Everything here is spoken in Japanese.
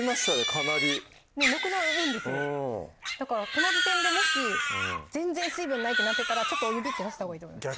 かなりなくなるんですよだからこの時点でもし全然水分ないってなってたらちょっとお湯ピッて足したほうがいいと思います